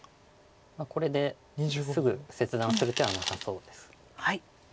これですぐ切断する手はなさそうです。